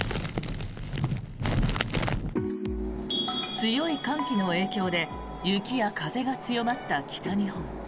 強い寒気の影響で雪や風が強まった北日本。